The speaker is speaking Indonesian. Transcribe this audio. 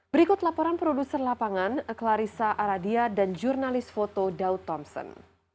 berikut laporan produser lapangan clarissa aradia dan jurnalis foto daud thompson